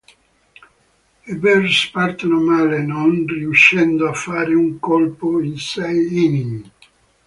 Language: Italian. I Beers partono male, non riuscendo a fare un colpo in sei inning.